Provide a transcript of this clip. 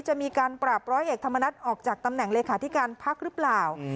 จะมีการปราบร้อยเอกธรรมนัฐออกจากตำแหน่งเลขาธิการพักหรือเปล่า